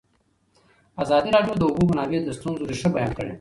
ازادي راډیو د د اوبو منابع د ستونزو رېښه بیان کړې.